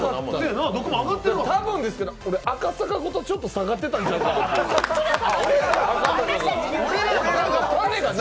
多分ですけど、赤坂ごとちょっと下がってたんじゃないかな？